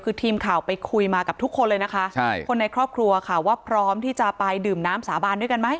คือทีมข่าวไปคุยมากับทุกคนเลยนะคะใช่คนในครอบครัวค่ะว่าพร้อมที่จะไปดื่มน้ำสาบานด้วยกันไหม